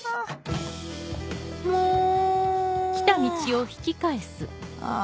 もうあぁ